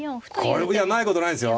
これもないことないんですよ。